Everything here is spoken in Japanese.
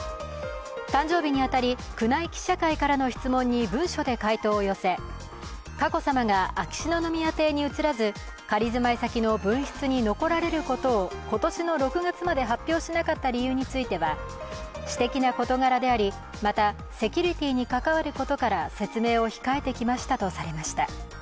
誕生日に当たり、宮内記者会からの質問に文書で回答を寄せ、佳子さまが秋篠宮邸に移らず仮住まい先の分室に残られることを今年の６月まで発表しなかった理由については、私的な事柄でありまたセキュリティーに関わることから説明を控えてきましたとされました。